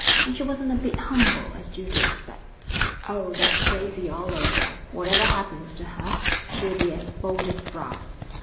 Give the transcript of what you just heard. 'And she wasn't a bit humble, as you'd expect.' 'Oh! that's Daisy all over. Whatever happens to her, she'll be as bold as brass.'